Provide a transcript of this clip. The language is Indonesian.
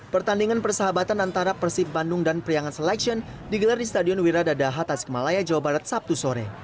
pertandingan persahabatan antara persib bandung dan priangan selection digelar di stadion wiradadaha tasikmalaya jawa barat sabtu sore